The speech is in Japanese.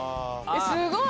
すごい！